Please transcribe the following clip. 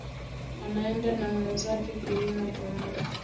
Anaenda na mwenzake kulima pamoja